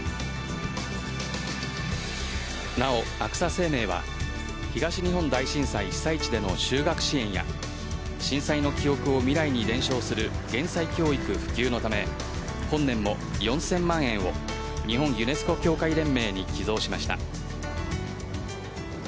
なお、アクサ生命は東日本大震災被災地での就学支援や震災の記憶を未来に伝承する減災教育普及のため本年も４０００万円を日本ユネスコ協会連盟に寄贈しました。